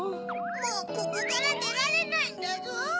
もうここからでられないんだゾウ。